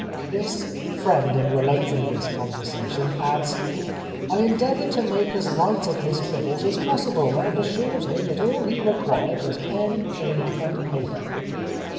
This friend in relating this conversation adds :" I endeavoured to make as light of his troubles as possible, and assured him that all he required was pen, ink and paper.